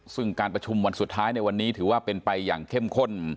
ซึ่งการประชุมวันสุดท้ายในวันนี้ถือว่าเป็นไปอย่างเข้มข้น